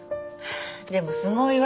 でもすごいわ。